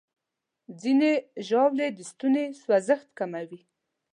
ځینې ژاولې د ستوني سوځښت کموي.